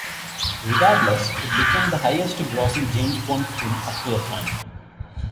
Regardless, it became the highest-grossing James Bond film up to that time.